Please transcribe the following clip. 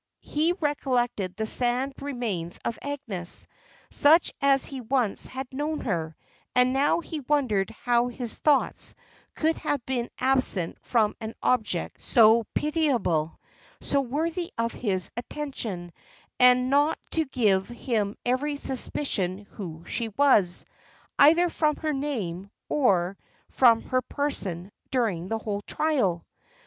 He recollected the sad remains of Agnes, such as he once had known her; and now he wondered how his thoughts could have been absent from an object so pitiable, so worthy of his attention, as not to give him even a suspicion who she was, either from her name, or from her person, during the whole trial!